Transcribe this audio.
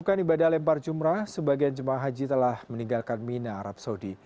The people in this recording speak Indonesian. bukan ibadah lempar jumrah sebagian jemaah haji telah meninggalkan mina arab saudi